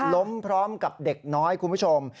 พร้อมกับเด็กน้อยคุณผู้ชม